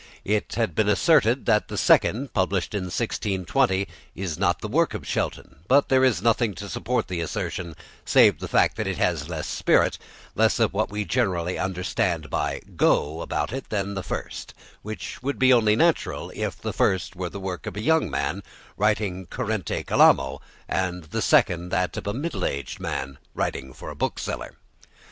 It has been asserted that the Second, published in 1620, is not the work of Shelton, but there is nothing to support the assertion save the fact that it has less spirit, less of what we generally understand by "go," about it than the first, which would be only natural if the first were the work of a young man writing currente calamo, and the second that of a middle aged man writing for a bookseller.